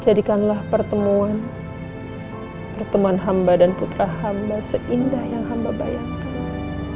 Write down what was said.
jadikanlah pertemuan pertemuan hamba dan putra hamba seindah yang hamba bayangkan